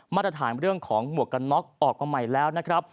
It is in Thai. มาตรฐานเรื่องของหมวกกันน็อกออกมาใหม่แล้วนะครับ